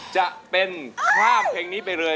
จะเป็นข้ามเพลงนี้ไปเลย